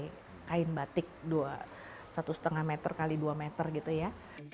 mereka hanya dapat satu helai kain batik satu lima x dua meter gitu ya